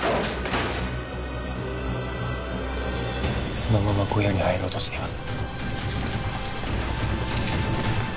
・そのまま小屋に入ろうとしています